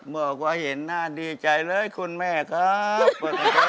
บอกว่าเห็นหน้าดีใจเลยคุณแม่ครับ